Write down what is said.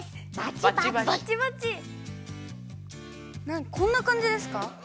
なんかこんな感じですか？